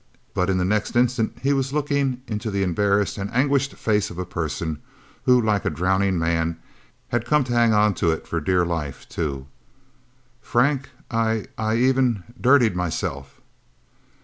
But in the next instant he was looking into the embarrassed, anguished face of a person, who, like a drowning man, had come to hang onto it for dear life, too. "Frank, I I even dirtied myself..."